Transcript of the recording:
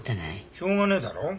しようがねえだろ